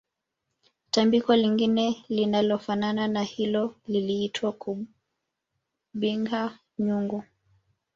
Tambiko lingine linalofanana na hilo liliitwa kubigha nyungu